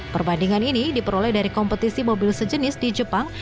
perbandingan ini diperoleh dari kompetisi mobil sejenis di jepang